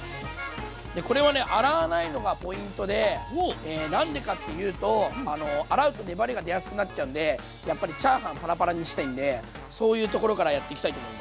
これをね洗わないのがポイントで何でかっていうと洗うと粘りが出やすくなっちゃうんでやっぱりチャーハンパラパラにしたいんでそういうところからやっていきたいと思います。